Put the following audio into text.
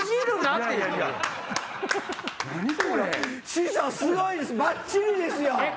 師匠すごいですバッチリですよ！